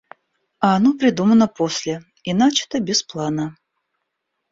А оно придумано после и начато без плана.